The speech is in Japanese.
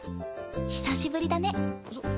久しぶりだね。